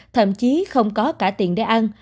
thậm chí không có cả tiền để ăn